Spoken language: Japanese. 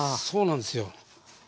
そうなんですよ。